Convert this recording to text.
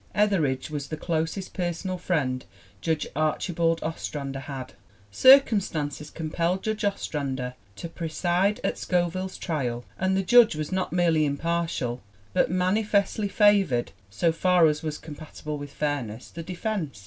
Etheridge was the closest personal friend Judge Archibald Ostrander had. Circumstances compelled Judge Ostrander to preside at Scoville's trial and the Judge was not merely impartial, but manifestly favored, so far as was com patible with fairness, the defense.